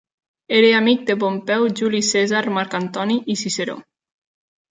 Era amic de Pompeu, Juli Cèsar, Marc Antoni i Ciceró.